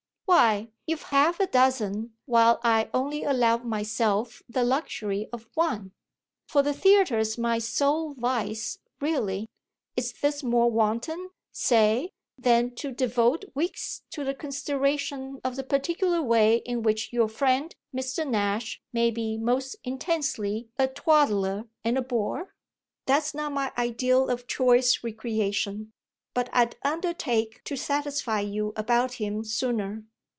"Why you've half a dozen while I only allow myself the luxury of one. For the theatre's my sole vice, really. Is this more wanton, say, than to devote weeks to the consideration of the particular way in which your friend Mr. Nash may be most intensely a twaddler and a bore? That's not my ideal of choice recreation, but I'd undertake to satisfy you about him sooner.